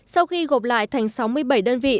sau khi gộp lại thành sáu mươi bảy đơn vị